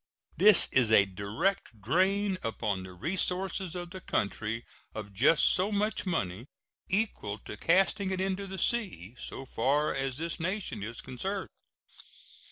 This is a direct drain upon the resources of the country of just so much money, equal to casting it into the sea, so far as this nation is concerned.